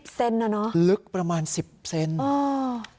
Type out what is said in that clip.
๑๐เซนติเมตรอ่ะนะลึกประมาณ๑๐เซนติเมตร